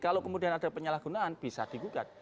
kalau kemudian ada penyalahgunaan bisa digugat